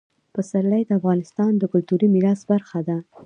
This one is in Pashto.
پسرلی د افغانستان د کلتوري میراث برخه ده.